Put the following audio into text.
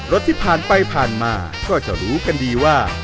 รถที่ผ่านไปผ่านมาก็จะรู้กันดีว่า